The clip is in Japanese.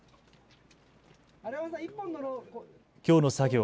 きょうの作業。